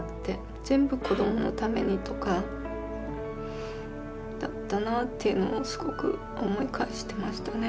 全部子どものためにとかだったなっていうのをすごく思い返してましたね。